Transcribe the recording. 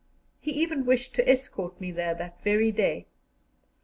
He even wished to escort me there that very day.